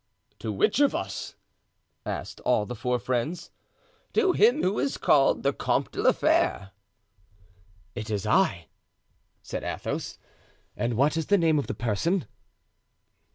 "To which of us?" asked all the four friends. "To him who is called the Comte de la Fere." "It is I," said Athos, "and what is the name of the person?"